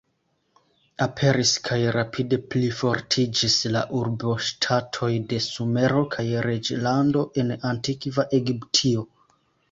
Aperis kaj rapide plifortiĝis la urboŝtatoj de Sumero kaj reĝlando en Antikva Egiptio.